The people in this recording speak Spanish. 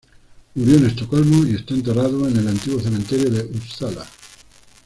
Murió en Estocolmo, y está enterrado en el Antiguo Cementerio de Uppsala.